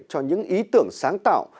cho những ý tưởng sáng tạo